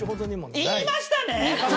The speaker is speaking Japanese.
言いましたね！？